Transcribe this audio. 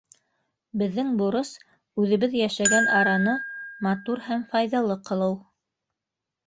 Беҙҙең бурыс - үҙебеҙ йәшәгән араны матур һәм файҙалы ҡылыу.